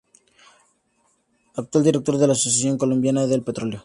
Actual director de la Asociación Colombiana del Petróleo.